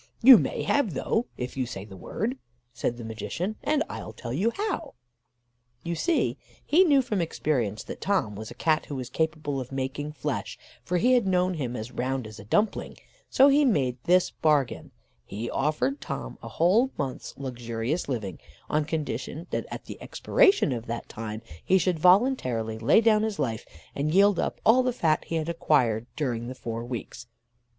"'You may have, though, if you say the word,' said the magician; 'and I'll tell you how.' "You see, he knew from experience that Tom was a Cat who was capable of making flesh, for he had known him as round as a dumpling; so he made this bargain: He offered Tom a whole month's luxurious living on condition that at the expiration of that time he should voluntarily lay down his life and yield up all the fat he had acquired during the four weeks.